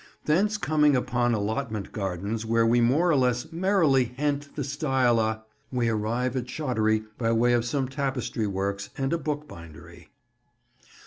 Thence coming upon allotment gardens, where we more or less "merrily hent the stile a," we arrive at Shottery by way of some tapestry works and a book bindery.